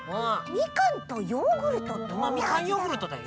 みかんヨーグルトだよ。